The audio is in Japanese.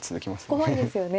結構怖いですよね。